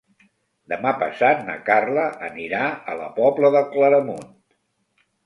Demà passat na Carla anirà a la Pobla de Claramunt.